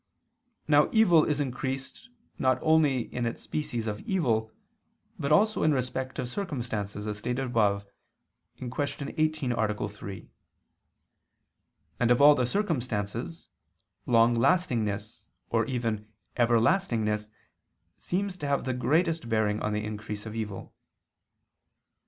Now evil is increased not only in its species of evil, but also in respect of circumstances, as stated above (Q. 18, A. 3). And of all the circumstances, longlastingness, or even everlastingness, seems to have the greatest bearing on the increase of evil.